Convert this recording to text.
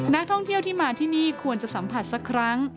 นักท่องเที่ยวที่มาที่นี่ควรจะสัมผัสสักครั้ง